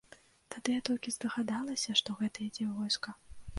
Тады я толькі здагадалася, што гэта ідзе войска.